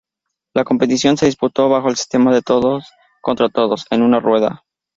La competición se disputó bajo el sistema de todos contra todos, en una rueda.